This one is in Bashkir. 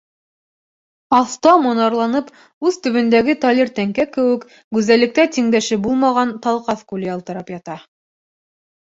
Аҫта, монарланып, ус төбөндәге талир тәңкә кеүек, гүзәллектә тиңдәше булмаған Талҡаҫ күле ялтырап ята.